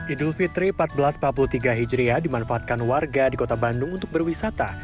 idul fitri seribu empat ratus empat puluh tiga hijriah dimanfaatkan warga di kota bandung untuk berwisata